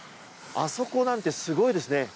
あそこなんてすごいですね。